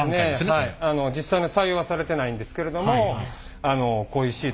実際に採用はされてないんですけれども。